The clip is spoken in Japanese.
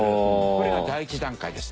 これが第１段階です。